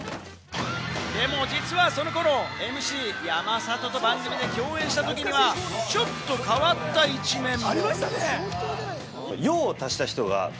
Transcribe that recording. でも実はその頃、ＭＣ山里と番組で共演したときには、ちょっと変わった一面も。